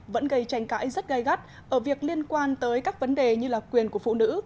vẫn gây tranh cãi rất gai gắt ở việc liên quan tới các vấn đề như là quyền của phụ nữ